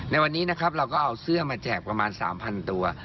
ในวันนี้นะครับเราก็เอาเสื้อมาแจกประมาณ๓๐๐ตัว